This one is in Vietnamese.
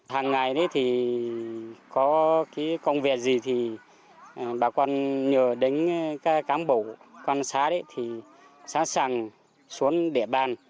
hàng ngày thì có công việc gì thì bà con nhờ đến các cán bộ con xã thì sẵn sàng xuống địa bàn